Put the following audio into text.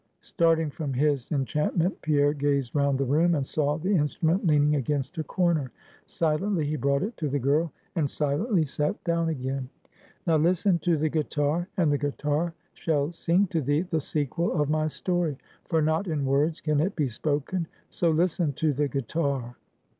Starting from his enchantment, Pierre gazed round the room, and saw the instrument leaning against a corner. Silently he brought it to the girl, and silently sat down again. "Now listen to the guitar; and the guitar shall sing to thee the sequel of my story; for not in words can it be spoken. So listen to the guitar."